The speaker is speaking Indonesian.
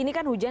ini kan hujan